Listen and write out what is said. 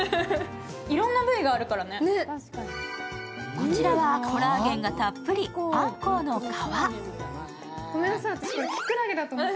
こちらはコラーゲンがたっぷり、あんこうの皮。